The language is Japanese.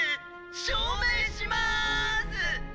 「証明しまーす！！」